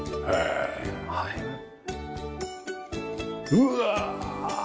うわ！